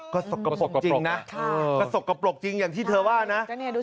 ก็สกปรกจริงนะก็สกปรกจริงอย่างที่เธอว่านะ